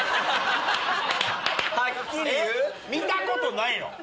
見たことないの？